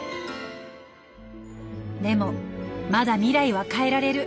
でもまだ未来は変えられる！